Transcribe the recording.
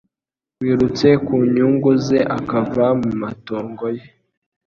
wirutse ku nyungu ze akava mu matongo ye